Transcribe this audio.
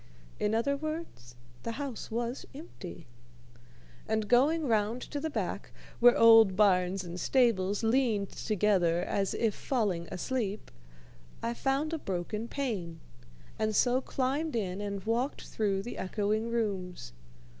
In other words, the house was empty; and going round to the back, where old barns and stables leaned together as if falling asleep, I found a broken pane, and so climbed in and walked through the echoing rooms.